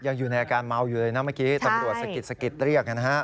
ยังอยู่ในอาการเมาอยู่เลยนะเมื่อกี้ตำรวจสะกิดสะกิดเรียกนะฮะ